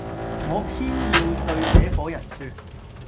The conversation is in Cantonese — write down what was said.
我偏要對這夥人説，